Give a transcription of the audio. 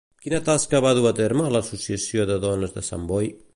Quina tasca va dur a terme a l'Associació de Dones de Sant Boi?